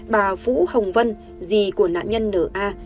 bà phũ hồng vân dì của nạn nhân nna